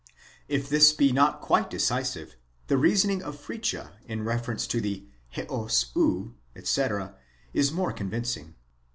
If this be not quite decisive, the reasoning of Fritzsche in reference to the ἕως οὗ, x. τ. A., is more convincing.